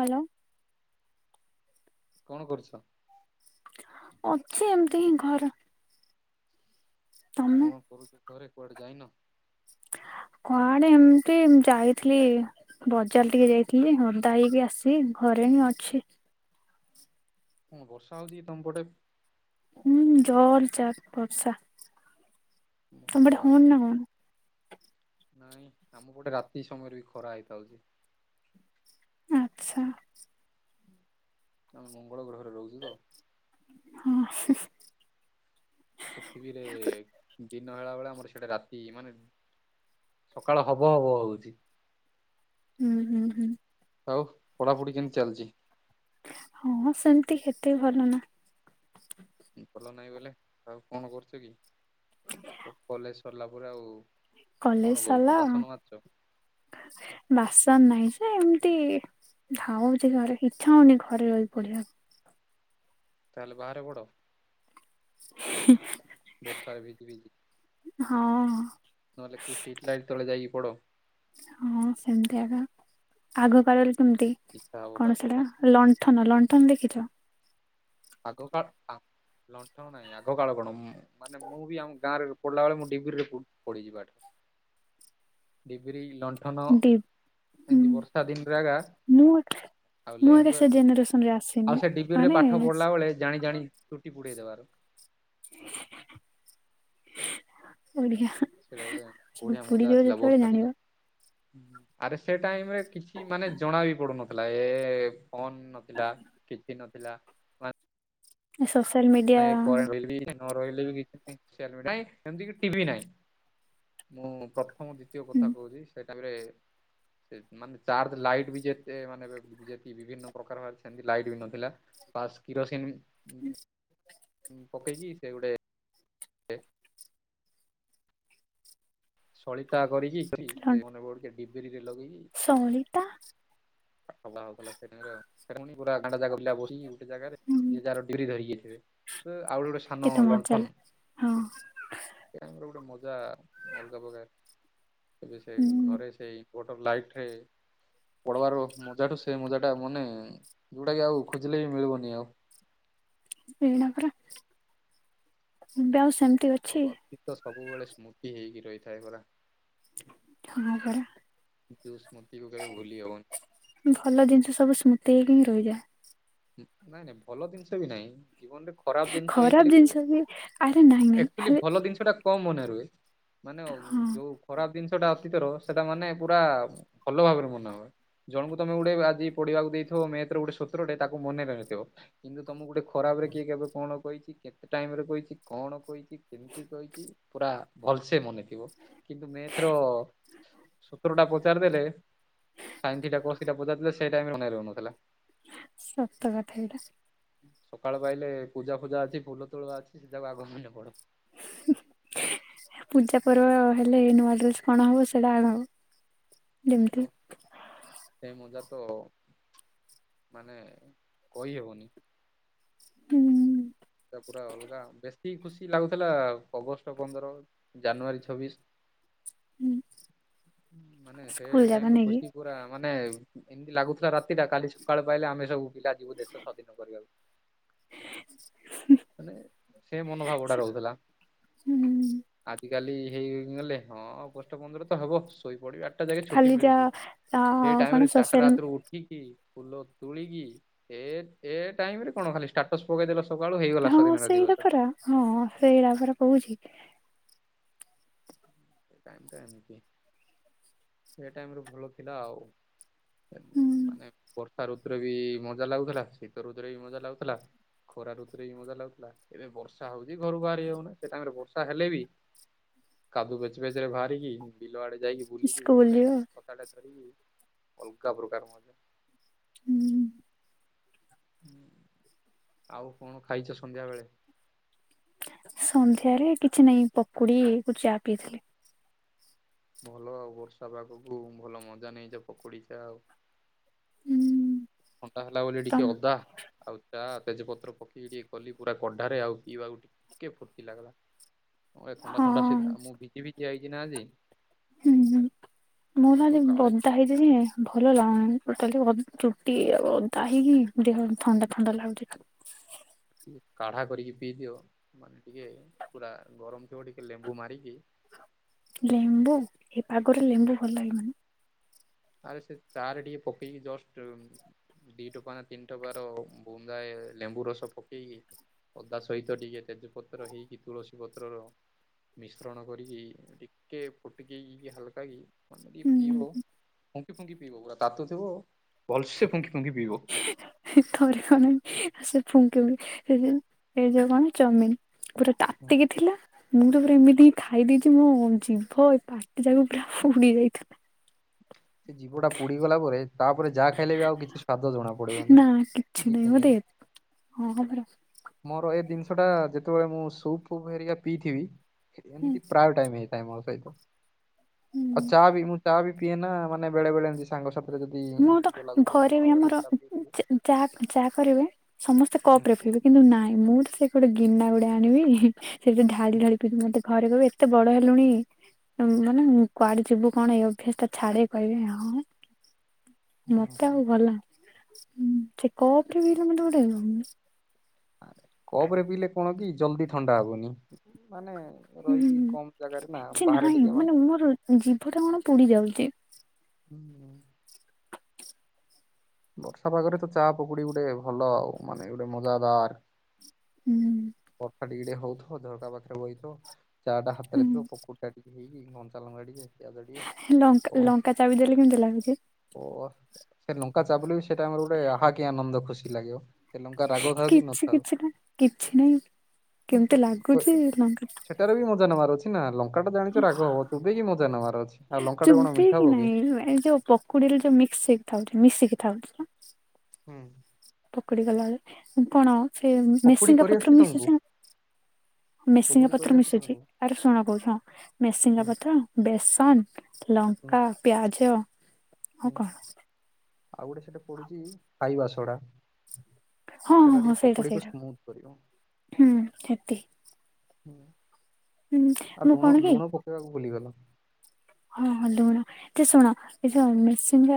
Hello. କଣ କରୁଛ? ଅଛି, ଏମତି ହିଁ ଘର। କଣ କରୁଚୁ? ଘରେ, କୁଆଡ଼େ ଯାଇନ? କୁଆଡେ ଏମତି ଯାଇଥିଲି ବଜାଲ ଟିକେ ଯାଇଥିଲି। ଓଦା ହେଇକି ଆସି, ଘରେ ହିଁ ଅଛି। ବର୍ଷା ହୋଉଚି କି ତମ ପଟେ? ହୁଁ, ଜୋର୍ ଜାର୍ ବର୍ଷା। ତମ ଭଲ ଆଡ଼େ ଆଉ। ହଉନି ନା କଣ? ନାଇଁ, ଆମ ପଟେ ରାତି ସମୟରେ ବି ଖରା ହେଇଥାଉଛି। ଆଛା। ଆମେ ମଙ୍ଗଳ ଗ୍ରହରେ ରହୁଛୁ ତ। ହଁ। ପୃଥିବୀରେ ଦିନ ହେଲା ବେଳେ, ଆମର ସେଟା ରାତି, ମାନେ ସକାଳ ହବ ହବ ହଉଛି। ହୁଁ, ହୁଁ, ହୁଁ। ଆଉ, ପଢ଼ାପଢ଼ି କେମିତି ଚାଲିଛି? ହଁ, ସେମିତି ହେତେ ଭଲ ନା। ଭଲ ନାହିଁ ବୋଇଲେ, ଆଉ କଣ କରୁଛ କି? କଲେଜ ସରିଲା ପରେ ଆଉ କଣ କରୁଛ? ବାସନ ମାଜୁଛ? ଆସ। ବାସନ ନାହିଁ ଯେ, ଏମତି ଧାଉଁଚି ଘରେ। ଇଚ୍ଛା ହଉନି, ଘରେ ରହି ପଢ଼ିବାକୁ। ତାହେଲେ ବାହାରେ ବଡ଼। [unintelligible] ବର୍ଷାରେ ଭିଜି-ଭିଜି, ହଁ ନହେଲେ କଉ ଷ୍ଟ୍ରିଟ ଲାଇଟ ତଳେ ଯାଇକି ପଡ। ହଁ, ସେମତି ଆକା। ଆଗ କାଳରେ କେମିତି, ଇଚ୍ଛା ହବ ପାଠ କଣ ପଢା ସେଟା ଲ ଣ୍ଠନ, ଲଣ୍ଠନ ଦେଖିଛ? ଆଗ କାଳ ଆ ଲଣ୍ଠନ ନାହିଁ। ଆଗ କାଳ କଣ, ମାନେ, ମୁଁ ବି ଆମ ଗାଁରେ ପଢ଼ିଲା ବେଳେ, ମୁଁ ଡିବ୍ରିରେ ପଡ଼ିଚି ପାଠ। ଡିବ୍ରି, ଲଣ୍ଠନ ଡି ଏମିତି ବର୍ଷା ଦିନରେ ଆକା ମୁଁ। ଆଉ ମୁଁ ଆଜ୍ଞା ଲେମ୍ପ, ସେ ଜେନେରେସନ ରେ ଆସିନି ଆଉ ସେ ଡିବିରିରେ ମାନେ ପାଠ ପଢିଲା ବେଳେ, ଜାଣି-ଜାଣି ଚୁଟି ପୁଡେଇଦବାର। [unintelligible] ବଡିଆ। ସେଇଟା ଗୋଟେ ବଢିଆ ମଜା ଆସିଲା, ବର୍ଷା ଜାଣିବ ଦିନ। ଆରେ, ସେ ଟାଇମ ରେ କିଛି, ମାନେ, ଜଣା ବି ପଡୁନଥିଲା। ଏ-ଏ ଫୋନ ନଥିଲା। କିଛି ନଥିଲା। ସୋସିଆଲ ମିଡି ନାଇଁ ଏ କରେଣ୍ଟ [unintelligible] ନ ରହିଲେ ବି [unintelligible] ମୁଁ ଦ୍ୱିତୀୟ କଥା କହୁଛି। ସେ ଟାଇମରେ ସେ ମାନେ, ଚାର୍ଜ ଲାଇଟ୍ ବି ଯେତେ, ମାନେ, ଯେକି ବିଭିନ୍ନ ପ୍ରକାର, ସେମିତି ଲାଇଟ୍ ବି ନଥିଲା। ବାସ୍ କିରୋସିନ୍। ପକେଇକି, ସେ ଗୋଟେ [unintelligible] ସଳିତା କରିକି କି, ସେ ମନେ ପଡ଼ୁଚି ସେ ଡିବିରିରେ ଲଗେଇକି ସଳିତା। ପାଠ ପଢା ହେଉଥିଲା ସେଟାଇମରେ ଆଉ ସେଟା ପୁଣି, ପୁରା ଗାଁ ଟା ଯାକ ପିଲା ବସିଯିବୁ। ସେ ଜାଗାରେ ଯିଏ ଯାହାର ଡିବି ଧରିିକି ଆଇଥିବେ। ତ, ଆଉ ଗୋଟେ ସ ନୋ କେତେ ମଜା ଲଣ୍ଠନ। ହେଲା। ହଁ ସେଟାଇମରେ ଗୋଟେ ମଜା ଅଲଗା ପ୍ରକାର ଏବେ ସେ ଘରେ ସେଇ ଗଟର ଲାଇଟ୍ ଠେ ପଡବାର ମଜାଠୁ ସେ ମଜା ସେଟା ମାନେ ଯୋଉଟା କି ଆଉ ଖୋଜିଲେ ବି ମିଳିବନି ଆଉ। ଏଇନା ପରା ଏବେ ଆଉ ସେମିତି ଅଛି। ଗୀତ ସବୁବେଳେ ସ୍ମୃତି ହେଇକି ରହିଥାଏ ପରା। ହଁ ପରା ଯଉ ସ୍ମତିକୁ କେବେ ଭୁଲି ହବନି। ଭଲ ଜିନିଷ ସବୁ ସ୍ମୃତି ହେଇକିନି ରହିଯାଏ। ଏ ନାଇଁ ନାଇଁ ଭଲ ଜିନିଷ ବି ନାଇଁ। ଜୀବନରେ ଖରାପ ଜିନିଷ ଖରାପ ହେଇଥିଲେ ବି, ଜିନିଷ ଆରେ ନାଇଁ ନାଇଁ ଏକ୍ଚୁଲି ହେଲେ ଭଲ ଦିନିଷ ଟା କମ୍ ମନେ ରୁହେ ମାନେ ଅ, ହଁ ଯୋଉ ଖରାପ ଦିନିଷଟା ଅତୀତର ସେଟା ମାନେ ପୁରା ଭଲ ଭାବରେ ମନେ ହୁଏ। ଜଣଙ୍କୁ ତୋମେ ଗୋଟେ ଆଜି ପଢିବାକୁ ଦେଇଥିବ ମେଥ୍ ର ଗୋଟେ ସୁତ୍ର ଟେ ତାକୁ ମନେ ନ ନଥିବ, କିନ୍ତୁ ତୋମକୁ ଗୋଟେ ଖରାପରେ କିଏ କେବେ କଣ କହିଛି କି କେତେ ଟାଇମ୍ ରେ କହିଛି, କଣ କହିଛି, କେମିତି କହିଛି, ପୁରା ଭଲସେ ମନେ ଥିବ, କିନ୍ତୁ ମେଥ୍ ର ସୁତ୍ରଟା ପଚାରିଦେଲେ ସାଇନଥିଟା କଶଥିଟା ପଚାରି ଦେଲେ ସେ ଟାଇମ୍ ମନେ ରହୁନଥିଲା। ସତ କଥା ଏଇଟା, ସ ସକାଳ ପାଇଲେ ପୂଜା ଫୂଜା ଅଛି ଫୁଲ ତୋଳୁଆ ଅଛି ସେଟାକୁ ଆଗ ମନେ ପଡେ। ହୁଁ, ପୂଜା ପର୍ବ ହେଲେ ଏ ନୂଆ ଡ୍ରେସ୍ କଣ ହବ ସେଟା ଆଣ, ଯେମିତି ଓ ସେ ମଜା ତ ମାନେ କହି ହେବନି। ହୁଁ। ସେଟା ପୁରା ଅଲଗା, ବେଶୀ ଖୁସି ଲାଗୁଥିଲା ଅଗଷ୍ଟ ପନ୍ଦର, ଜାନୁଆରୀ ଛବିଶ। ମାନେ ସେ ସ୍କୁଲ ଯାକ ଟାଇମ୍ ର ନେଇକି କୁସି ପୁରା ମାନେ ଏମିତି ଲାଗୁଥିଲା ରାତିଟା କାଲି ସକାଳ ପାଇଲେ ଆମେ ସବୁ ପିଲା ଯିବୁ ଦେଶ ସ୍ଵାଧୀନ କରିବାକୁ। ହୁଁ, ମାନେ ସେ ମନୋଭାବଟା ରହୁଥିଲା। ହୁଁ। ଆଜି କାଲି ହେଇ ଗଲେ ହଁ ଅଗଷ୍ଟ ପନ୍ଦର ତ ହବ ଶୋଇ ପଡିବି, ଆଟା ଜାଗେ ଛୁଟି ଖାଲିଟା ମିଳିଚି, ଆ ସେ ଟାଇମ୍ କଣ ରେ ଚାଟା ସୋସିଆଲ ରାତି ରୁ ଉଠିକି ଫୁଲ ତୁଳିକି, ଏ ଏ ଟାଇମ୍ ରେ କଣ ଖାଲି ଷ୍ଟାଟସ୍ ପକେଇଦେଲ ସକାଳୁ ହେଇଗଲା ହଁ ସ୍ଵାଧୀନତା ସେଇଟା ଦିବସ। ପରା, ହଁ ସେଇଟା ପରା କହୁଛି। ଟାଇମ୍ ଟା ଏମିତି, ସେ ଟାଇମ୍ ର ଭଲ ଥିଲା ଆଉ। [inaudible] ମାନେ ହୁଁ ବର୍ଷା ଋତୁରେ ବି ମଜା ଲାଗୁଥିଲା, ଶୀତ ଋତୁରେ ବି ମଜା ଲାଗୁଥିଲା। ଖରା ଋତୁରେ ବି ମଜା ଲାଗୁଥିଲା, ଏବେ ବର୍ଷା ହଉଛି, ଘରୁ ବାହାରି ହଉନି, ସେ ଟାଇମ୍ ରେ ବର୍ଷା ହେଲେ ବି କାଦୁ ପେଚ୍ ପେଚ୍ ରେ ବାହାରିକି ବିଲ ଆଡେ ଯାଇକି ବୁଲିକି [inaudible] [inaudible] ସ୍କୁଲରେ ଅଲଗା ପ୍ରକାର [inaudible] ହୁଁ। ଆଉ କଣ ଖାଇଛ ସନ୍ଧ୍ୟା ବେଳେ? ସନ୍ଧ୍ୟାରେ କିଛି ନାଇଁ ପକୁଡି କୁ ଚା ପିଇଥିଲି। ଭଲ ଆଉ ବର୍ଷା ପାାଗକୁ ଭଲ ମଜା ନେଇଚ ପକୁଡି ଚା ଆଉ। ହୁଁ ଥଣ୍ଡା ହେଲା ବୋଲି ଟିକେ ଅଦା ଆଉ ଚା ତେଜପତ୍ର ପକେଇକି ଟିକେ କଲି ପୁରା କଢାରେ ଆଉ ପିଇବାକୁ ଟି କେ ଫୁର୍ତ୍ତି ଲାଗିଲା ଅଏ ଥଣ୍ଡା ହଁ ଥଣ୍ଡା ଶୀ ଆ, ମୁଁ ଭିଜି ଭିଜି ଆଇଚି ନା ଆଜି। ହୁଁ, ମୁଁ ତ ନହେଲେ କାଳେ ବଦା ହେଇଯିବି ହେ। ଭଲ ଲାଗୁନି ଟୋଟାଲି ଅ, ଚୁଟି ଅଦା ହେଇକି ଦେହ ଥଣ୍ଡା ଥଣ୍ଡା ଲାଗୁଛି। [inaudible] କାଢ଼ା କରିକି ପିଇ ଦିଅ ମାନେ ଟିକେ ପୁରା ଗରମ ଥିବ ଟିକେ ଲେମ୍ବୁ ମାରିକି। ଲେମ୍ବୁ ଏ ପାଗରେ ଲେମ୍ବୁ ଭଲ ଲାଗିବନି। ଆରେ ସେ ଚା ରେ ଟିକିଏ ପକେଇକି ଜଷ୍ଟ ଦି ଟୋପା ନା ତିନି ଟୋପାର ବୁନ୍ଦାଏ ଲେମ୍ବୁ ରସ ପକେଇ ନେ ଅଦା ସହିତ ଟିକେ ତେଜପତ୍ର ହେଇକି ତୁଳସୀ ପତ୍ରର ମିଶ୍ରଣ କରିକି ଟିକେ ଫୁଟିକି ଇଏ ହାଲକା କି ଆକେଇ ହୁଁ ପିଇବ ଫୁଙ୍କି ଫୁଙ୍କି ପିଇବ ପୁରା ତାତୁ ଥିବ ଭଲସେ ଫୁଙ୍କି ଫୁଙ୍କି ପିଇବ। ହି ଥରେ କ ନାଇଁ ସେ ଫୁଙ୍କି ଫୁଙ୍କି ସେ ଯୋଉ ଏଇ ଯୋଉ କଣ ଚମିନି ପୁରା ତାତିକି ଥିଲା। ମୁଁ ତ ପୁରା ଏମିତି ଖାଇ ଦେଇଛି ମୋ ଜିଭ ଏ ପାଟି ଯାକ ପୁରା ପୁଡି ଯାଇଥିଲା। ସେ ଜିଭଟା ପୁଡିଗଲା ପରେ ତାପରେ ଯାହା ଖାଇଲେ ବି ଆଉ କିଛି ସ୍ୱାଦ ଜଣା ପଡିବନି ନା କିଛି ଦିନେ ନାହିଁ ଯାଏ। ମତେ ହଁ ପରା। ମୋର ଏ ଦିନଷଟା ଯେତେବେଳେ ମୁଁ ସୁପ୍ ଫୁପ୍ ହେରିକା ପିଇଥିବି ହେ ହୁଁ ଏମତି ପ୍ରାୟ ଟାଇମ୍ ହେଇଥାଏ ମୋ ସହିତ ଆଉ ହୁଁ ଚା ବି ମୁଁ ଚା ବି ପିଏନା ମାନେ ବେଳେ ବେଳେ ଏନ୍ତି ସାଙ୍ଗ ସାଥିରେ ଯଦି ମୁଁ ନିଦ ଲାଗୁଥବ କଣ ବୋଲି ଚା ପିଇଦେବି। ଚାହା କ୍ ଚାହା କରିବେ ସମସ୍ତେ ହୁଁ କପରେ ପିଇବେ କିନ୍ତୁ ନାଇଁ ମୁଁ ତ ସେ ଗୋଟେ ଗିନା ଗୋଟେ ଆଣିବି ହି ସେଇଥେରେ ଢାଳି ହୁଁ ଢାଳି ପିଉଥିବି ମତେ ଘରେ କହିବେ ଏତେ ବଡ ହେଲୁଣି ଉଁ ମାନେ ଉଁ କୁଆଡେ ଯିବୁ କଣ ଏଇ ଅଭ୍ୟାସଟା ଛାଡେ କହିବେ ଆଉ। ହୁଁ ମତେ ହୁଁ। ଆଉ ଭଲା ଉଁ ସେ କପରେ ପିଇଲେ ମତେ ଗୋଟେ ଉଁ ଆରେ କପରେ ପିଇଲେ କଣ କି ଜଲଦି ଥଣ୍ଡା ହବନି ମାନେ ରହିକି ହୁଁ କମ୍ ଜାଗାରେ ନା ବାହାରେ ଟିକେ ମାନେ ଜିଭଟା କଣ ପୁଡି ଯାଉଚି। ଉଁ। ବର୍ଷା ପାଗରେ ତ ଚା ପକୁଡି ଗୋଟେ ଭଲ ଆଉ ମାନେ ଗୋଟେ ମଜାଦାର ହୁଁ ବର୍ଷା ଟିକେ ଟିକେ ହଉଥବ ଝରକା ପାଖେରେ ବଇଥବ ଚା ଟା ହାତେରେ ଥିବ ହୁଁ ପକୁଡିଟା ଟିକେ ହେଇକି କଞ୍ଚାଲଙ୍କା ଟିକେ ପିଆଜ ଟିକେ ହେ ଲଙ୍କା ଲଙ୍କା ଚାବି ଦେଲେ କେମିତି ଲାଗୁଛି? ଓ ସେ ଲଙ୍କାଚପ୍ ବୋଲି ସେଟା ଆମର ଗୋଟେ ଆହା କିି ଆନନ୍ଦ ଖୁସି ଲାଗିବ। ସେ ଲଙ୍କା ରାଗ ଥାଉ କି କିଛି ନଥାଉ କିଛି ନାହିଁ କିଛି ନାହିଁ। କେମିତି ଓହୋ ଲାଗୁଛି ଲଙ୍କା [unintelligible] ହେରା ବି ମଜା ନବାର ଅଛି ନା ଲଙ୍କାଟା ଜାଣିଛ ରାଗ ହବ ଚୁବେଇକି ମଜା ନବାର ଅଛି ଆଉ ଲଙ୍କାଟା କଣ ମିଠା ହବ କି। ହଁ ଏ ଯୋଉ ପକୁଡିରେ ଯୋଉ ମିକ୍ସ ହେଇକି ଥାଉଛି ମିଶିକି ଥାଉଛି ହାଁ। ହୁଁ। ପକୁଡି କଲାବେଳେ ଉଁ କଣ ସେ ପକୁଡି ମେସିଙ୍ଗା କରିଆସିଛି ପତ୍ର ତମକୁ ମିଶୁଛି ନା। ମେସିଙ୍ଗା ପକୁଡି ପତ୍ର କରିଆସିଛି ମିଶୁଛି ତମକୁ ଆରେ ଶୁଣ କହୁଛି ହଁ ମେସିଙ୍ଗା ହୁଁ ପତ୍ର ବେସନ ହୁଁ ଲଙ୍କା ପିଆଜ ଆଉ ହୁଁ କଣ ଆଉ ଗୋଟେ ସେଟା ପଡୁଚି ଖାଇବା ସୋଡା। ହଁ ସେଟା ହଁ ହଁ ଟିକେ ସେଇଟା ପକୁଡିକୁ ସେଇଟା ସ୍ମୁଥ କରିବ। ହୁଁ ଠିକ୍ ଠିକ୍। ହୁଁ ଆଉ ମୁଁ ଲୁଣ କଣ କି ଲୁଣ ପକେଇବାକୁ ଭୁଲିଗଲ। ହଁ ହଁ ଲୁଣ କି ଶୁଣ ଏ ଯୋଉ ମ୍ରିସିଙ୍ଗା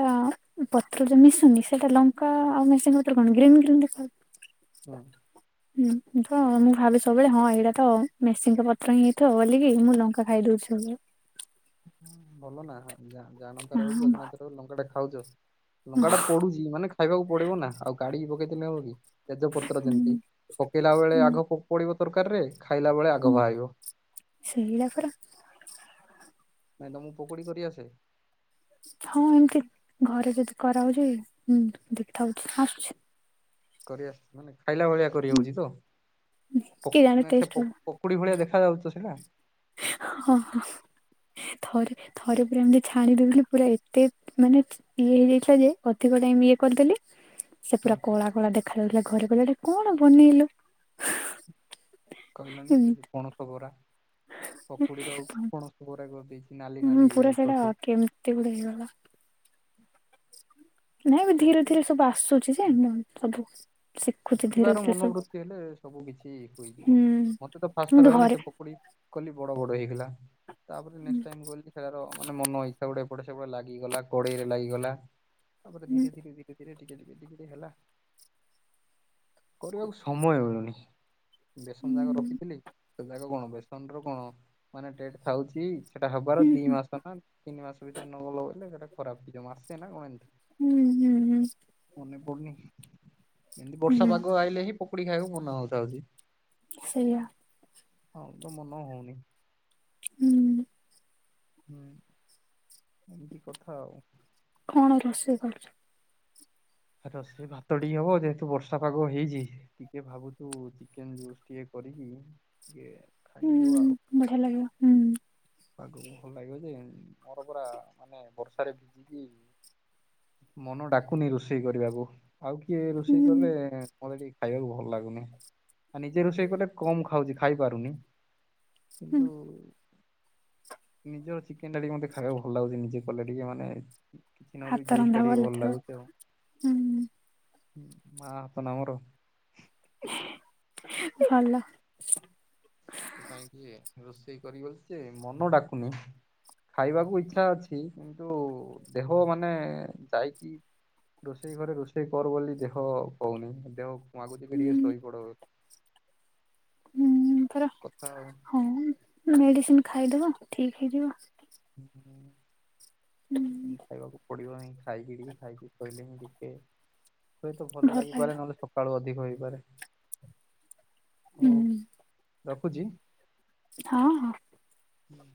ଉଁ ପତ୍ର ଯୋଉ ମିଶୁନି ସେଇଟା ଲଙ୍କା ଆଉ ମେସିଙ୍ଗା ପତ୍ର କଣ ଗ୍ରୀନ୍ ଗ୍ରୀନ୍ ଦେଖାହୁଏ। ହଁ। ହୁଁ ତ ମୁଁ ଭାବେ ସବେଳେ ହଁ ଏଇଟା ତ ମେସିଙ୍ଗା ପତ୍ର ହିଁ ହେଇଥବ ବୋଲିକି ମୁଁ ଲଙ୍କା ଖାଇଦଉଛି ସବୁବେଳେ। ଆଉ କଣ ଭଲ ନା ଆଁ ଜା ଜାଣନ୍ତରେ ହଉ କି ହଁ ଭଗବାନ ଅଜାଣତରେ ହଉ ଲଙ୍କାଟା ଖାଉଛ ଲଙ୍କାଟା ପଡୁଚି ମାନେ ଖାଇବାକୁ ପଡିବ ନା ଆଉ କାଢିକି ପକେଇ ଦେଲେ ହବ କି। ତେଜପତ୍ର ଯେମିତି ହୁଁ ପକେଇଲା ବେଳେ ଆଗ ପ ପଡିବ ତରକାରୀରେ ଖାଇଲା ବେଳେ ଆଗ ଭାଇବ। ସେଇଆ ପରା। ନାଇଁ ତମୁକୁ ପକୁଡି କରି ଆସେ। ହଁ ଏମତି ଘରେ ଯଦି କରାହଉଛି ମୁଁ ତ୍ ଦେଖଥାଉଛି ଆସୁଛି। କରିଆସ୍ ମାନେ ଖାଇଲା ଭଳିଆ କରି ହୁଁ ହଉଛି ତ ପକ୍ କେଜାଣି ନାଇଁ ସେ ଟେଷ୍ଟ ପକ୍ ପକୁଡି ଭଳିଆ ଦେଖାଯାଉଚି ତ ସେଇଟା। ହଁ ହଁ। ଥରେ ଥରେ ପୁରା ଏମିତି ଛାଣିଦୋଉଥିଲି ପୁରା ଏତେ ମାନେ ଇଏ ହେଇଯାଇଥିଲା ଯେ ଅଧିକ ଟାଇମ ଇଏ କରିଦେଲି। ସେ ହୁଁ। ପୁରା କଳା କଳା ଦେଖାଯାଉଥିଲା ଘରେ କହିଲେ ଏଟା କଣ ବନେଇଲୁ। କହିଲନି ସେ ଯ, ପଣସ, ବରା, ପକୁଡିରଉ, ପଣସ, ବରା, କରଦେଇଛି। ହୁଁ ପୁରା ସେଟା ଆ କେମତି ଗୋଟେ ହେଇଗଲା। ନାଇଁ ଧୀରେ ଧୀରେ ସବୁ ଆସୁଛି ଯେ ସବୁ। ଶିଖୁଛି ଧୀରେ ଶିଖିବାର ଧୀରେ ସବୁ ମନୋବୃତ୍ତି ହେଲେ ସବୁ କିିଛି ହୋଇଯିବ ହୁଁ ମତେ ତ ଫାସ୍ ତ କିନ୍ତୁ ରହିଲି ଘରେ ସେ ପକୁଡି। କଲି ବଡ଼ ବଡ଼ ହେଇଗଲା, ତାପରେ ନେକ୍ସଟ ଟାଇମ୍ କଲି ସେ ତାର ମାନେ ମନଇ। ସେପଟୁ ଏ ପଟ ସେପଟ ଲାଗିଗଲା କଡେଇରେ ଲାଗିଗଲା ତାପରେ ହୁଁ ଧୀରେ ଧୀରେ ଧୀରେ ଧୀରେ। ଟିକେ ଟିକେ ଟିକେ ଟିକେ ହେଲା। କରିବାକୁ ସମୟ ମିଳୁନି, ବେସନ ଯାଗ ରଖିଥିଲି ସେ ଯାଗ କଣ ବେସନ ର କଣ ମାନେ ଡେଟ୍ ଥାଉଛି ସେଟା ହବାର ହୁଁ ଦି ହୁଁ ମାସ ନା ତିିନି ମାସ ଭିତରେ ନ [unintelligible] ସେଟା ଖରାପ ହେଇଯିବ ମାସେ ନା କଣ ଏମତି। ହୁଁ ହୁଁ। ହୁଁ ମନେ ପଡୁନି ଏମିତି ବର୍ଷା ହୁଁ ପାଗ ଆଇଲେ ହିଁ ପକୁଡି ଖାଇବାକୁ ମନ ହଉଥାଉଛି। ସେୟା। ହଁ ତ ମନ ହଉନି। ହୁଁ। ହୁଁ। ଏମିତି କଥା ଆଉ। କଣ ରୋଷେଇ କରଛ? ରୋସେଇ ଭାତ ଟିକେ ହବ, ଯେହେତୁ ବର୍ଷା ପାଗ ହେଇଚି ଟିକେ ଭାବୁଚୁ ଚିକେନ ଟିଏ କରିକି ଇଏ ଖାଇବୁ ହୁଁ ଆଉ। ବଢିଆ ଲାଗିବ ହୁଁ। ପାଗକୁ ଭଲ ଲାଗିବ ଯେ ମୋର ପୁରା ମାନେ ବର୍ଷାରେ ଭିଜିକି ମନ ଡାକୁନି ରୋଷେଇ କରିବାକୁ ଆଉ କିଏ ହୁଁ ରୋଷେଇ କଲେ ମତେ ଟିକ ଖାଇବାକୁ ଭଲ ଲାଗୁନି, ଆ ନିଜେ ରୋଷେଇ କଲେ କମ ଖାଉଛି ଖାଇପାରୁନି। ହୁଁ କିନ୍ତୁ ନିଜ ଚିକେନ ଟା ଟିକେ ମତେ ଖାଇବାକୁ ଭଲ ଲାଗୁଚି ନିଜେ କଲେ ଟିକେ ମାନେ କିଛି ନହେଲେ ହାତ ବି ଜୁସ ରନ୍ଧା ଟା ଟିକେ ଭଲ ଥିବ ଲାଗୁଛି ଆଉ ହୁଁ ମା ହା ତ ନା ମୋର। ଭଲ। ସେଥିପାଇଁ କି ରୋଷେଇ କରିିବଲି ଯେ ମନ ଡାକୁନି। ଖାଇବାକୁ ଇଚ୍ଛା ଅଛି କିନ୍ତୁ ଦେହ ମାନେ ଯାଇକି ରୋଷେଇ ଘରେ ରୋଷେଇ କର ବୋଲି ଦେହ କହୁନି ଦେହ ମାଗୁଛିିକି ଟିକେ ହୁଁ ଶୋଇପଡ। ହୁଁ ଥର। କଥା ଆଉ। ହଁ ମେଡିସିନ ଖାଇଦବ ଠିକ ହେଇଯିବ। ଉଁ ମେଡ଼ିସିନ ଖାଇବାକୁ ପଡିବ ହିଁ ଖାଇକିିଟିକେ ଖାଇକି ଶୋଇଲେ ହିଁ ଟିକେ ହୁଏତ ଭଲ ଲାଗିପାରେ ନହେଲେ ସ କାଳୁ ଅଧିକ ହେଇପାରେ, ହୁଁ ହଉ ରଖୁଚି। ହଁ ହଁ। ହୁଁ।